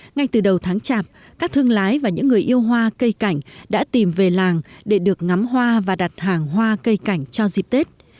ngay từ đầu tháng chạp các thương lái và những người yêu hoa cây cảnh đã tìm về làng để được ngắm hoa và đặt hàng hoa cây cảnh cho dịp tết